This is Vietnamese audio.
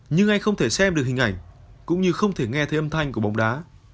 nhưng anh không thể xem được hình ảnh cũng như không thể nghe thêm âm thanh của bóng đá